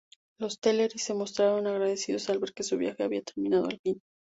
Los Teleri se mostraron agradecidos al ver que su viaje había terminado al fin.